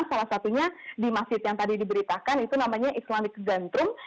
salah satunya di masjid yang tadi diberitakan itu namanya islamic gandrum